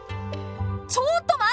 ちょっと待った！